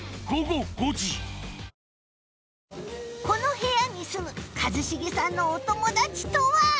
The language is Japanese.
この部屋に住む一茂さんのお友達とは？